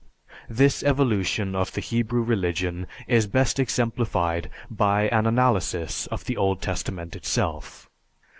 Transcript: This evolution of the Hebrew religion is best exemplified by an analysis of the Old Testament itself.